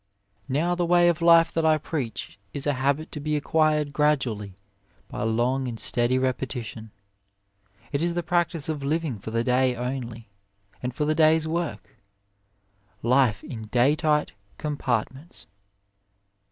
Now the way of life that I preach is a habit to be acquired gradually by long and steady repetition. It is the practice of living for the day only, and for the day s work, Life 13 A WAY in day tight compartments.